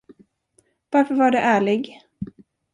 Varför var du ärlig?